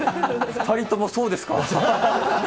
２人ともそうですか？